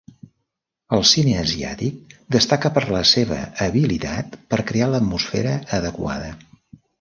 El cine asiàtic destaca per la seva habilitat per crear l'atmosfera adequada.